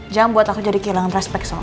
jangan buat aku jadi kehilangan respek sama kamu